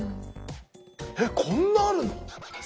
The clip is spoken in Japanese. えっこんなあるの⁉すごい。